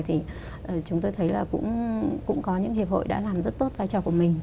thì chúng tôi thấy là cũng có những hiệp hội đã làm rất tốt vai trò của mình